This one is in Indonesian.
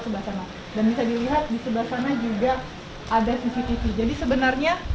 sebelah sana dan bisa dilihat di sebelah sana juga ada cctv jadi sebenarnya